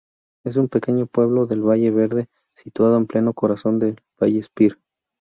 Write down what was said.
Es un pequeño pueblo del Valle Verde situado en pleno corazón del Vallespir.